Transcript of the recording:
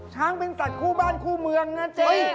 ช้างเป็นสัตว์คู่บ้านคู่เมืองนะเจ๊